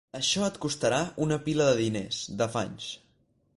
Això et costarà una pila de diners, d'afanys.